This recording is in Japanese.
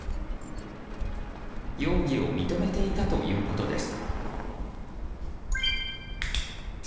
容疑を認めていたということです。